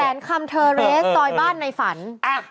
แสนคำเทอร์เรสซอยบ้านในฝันแอ๊บ